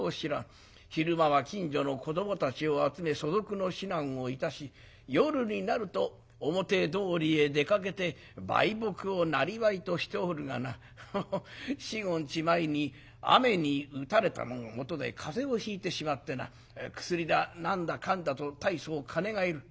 昼間は近所の子どもたちを集め素読の指南をいたし夜になると表通りへ出かけて売卜をなりわいとしておるがな四五日前に雨に打たれたのがもとで風邪をひいてしまってな薬だ何だかんだと大層金がいる。